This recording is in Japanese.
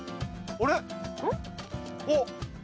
あれ。